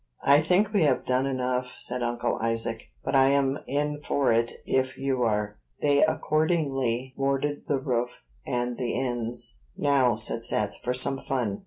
"I think we have done enough," said Uncle Isaac; "but I'm in for it if you are." They accordingly boarded the roof and the ends. "Now," said Seth, "for some fun."